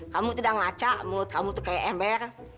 kamu tidak ngaca mulut kamu tuh kayak ember